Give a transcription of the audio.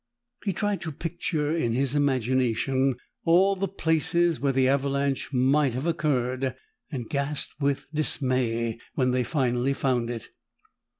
He tried to picture in his imagination all the places where the avalanche might have occurred and gasped with dismay when they finally found it!